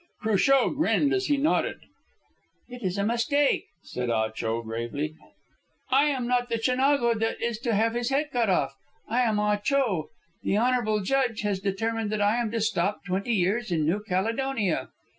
Cruchot grinned as he nodded. "It is a mistake," said Ah Cho, gravely. "I am not the Chinago that is to have his head cut off. I am Ah Cho. The honourable judge has determined that I am to stop twenty years in New Caledonia."